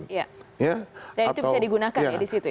dan itu bisa digunakan ya di situ